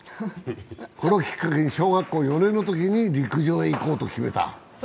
これをきっかけに小学校４年のときに陸上へいこうと決めた。